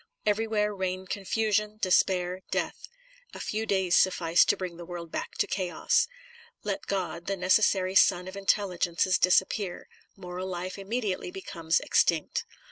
Everywhere reign confusion, despair, death ; a few days suffice to bring the world back to chaos. Let God, the necessary sun of intelligences, disappear ; moral life immedi ately becomes extinct.